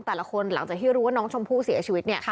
แต่ละคนหลังจากที่รู้ว่าน้องชมพู่เสียชีวิต